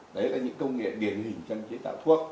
đấy là những công nghệ điển hình trong chế tạo thuốc